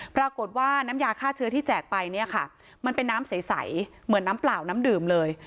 ปรากฏว่าน้ำยาฆ่าเชื้อที่แจกไปเนี่ยค่ะมันเป็นน้ำใสเหมือนน้ำเปล่าน้ำดื่มเลย